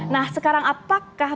nah sekarang apakah